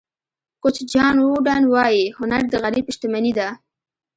کوچ جان ووډن وایي هنر د غریب شتمني ده.